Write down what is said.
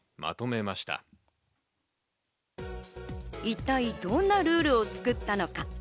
一体どんなルールを作ったのか。